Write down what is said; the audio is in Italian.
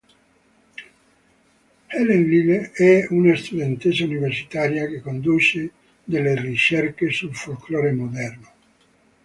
Helen Lyle è una studentessa universitaria che conduce delle ricerche sul folklore moderno.